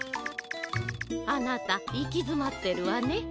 あなたいきづまってるわね。